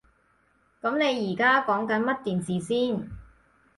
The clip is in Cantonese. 噉你而家講緊乜電視先？